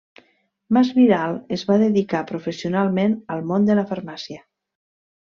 Masvidal es va dedicar professionalment al món de la farmàcia.